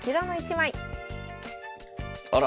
あら。